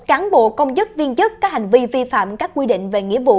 cán bộ công chức viên chức có hành vi vi phạm các quy định về nghĩa vụ